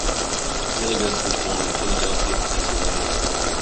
Hillegas was born in Philadelphia, Pennsylvania.